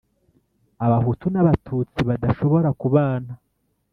abahutu n’abatutsi badashobora kubana,